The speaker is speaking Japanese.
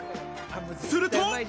すると。